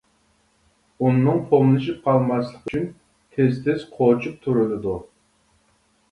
ئۇننىڭ پوملىشىپ قالماسلىقى ئۈچۈن تېز-تېز قوچۇپ تۇرۇلىدۇ.